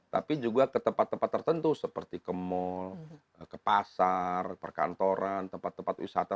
tapi juga ke tempat tempat tertentu seperti ke mal ke pasar perkantoran tempat tempat wisata